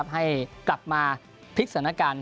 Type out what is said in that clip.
ให้กลับมาพลิกสถานการณ์